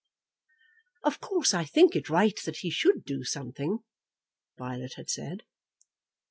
"Of course I think it right that he should do something," Violet had said.